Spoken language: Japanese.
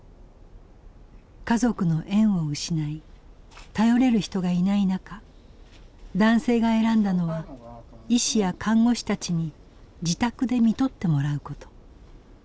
家族の縁を失い頼れる人がいない中男性が選んだのは医師や看護師たちに自宅で看取ってもらうこと。